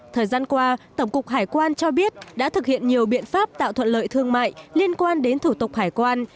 thời gian qua tổng cục hải quan cho biết đã thực hiện nhiều biện pháp tạo thuận lợi thương mại liên quan đến thủ tục hải quan